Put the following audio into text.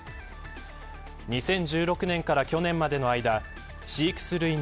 ２０１６年から去年までの間飼育する犬